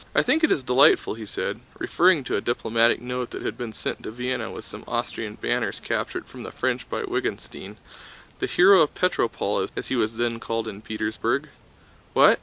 "I think it is delightful," he said, referring to a diplomatic note that had been sent to Vienna with some Austrian banners captured from the French by Wittgenstein, "the hero of Petropol" as he was then called in Petersburg. "What?